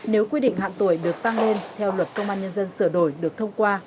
nếu quy định hạn tuổi được tăng lên theo luật công an nhân dân sửa đổi được thông qua